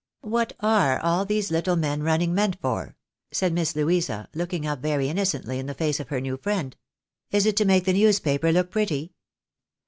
" What are all these little men running meant for ?" said Miss Louisa, looking up very innocently in the face of her new friend. " Is it to make the newspaper look pretty